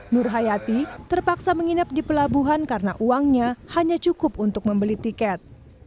nur hayati terpaksa menginap di pelabuhan karena uangnya hanya cukup untuk membeli tiket